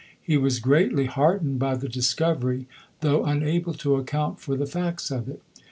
He was greatly heartened by the discovery, though unable to account for the facts of it.